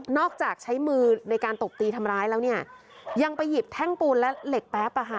จากใช้มือในการตบตีทำร้ายแล้วเนี่ยยังไปหยิบแท่งปูนและเหล็กแป๊บ